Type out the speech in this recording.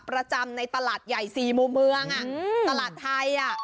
ประจำในตลาดใหญ่๔มือเมืองอ่ะตลาดไทยอ่ะ